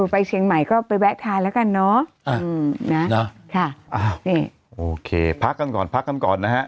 ไปเชียงใหม่ก็ไปแวะทานแล้วกันเนอะค่ะนี่โอเคพักกันก่อนพักกันก่อนนะฮะ